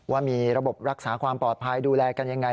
ว่ามีระบบรักษาความปลอดภัยดูแลกันยังไง